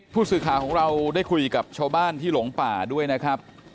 ผู้สื่อข่าวของเราได้คุยกับชาวบ้านที่หลงป่าด้วยนะครับ